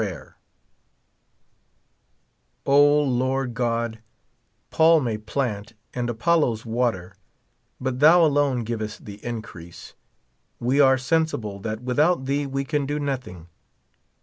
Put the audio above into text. Prayer. O, Lord God, Paul may plant, and Apollos water, but thou alone givest the increase. We are sensible that without thee we can do nothing.